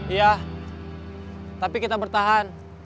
iya tapi kita bertahan